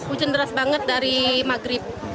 hujan deras banget dari maghrib